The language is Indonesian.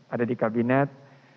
ada di kabinet